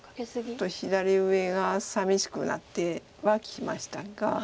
ちょっと左上がさみしくなってはきましたが。